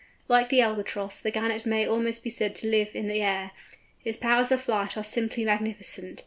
Like the Albatross, the Gannet may almost be said to live in the air. Its powers of flight are simply magnificent.